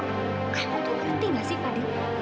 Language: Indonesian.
kamu tuh ngerti gak sih fadhil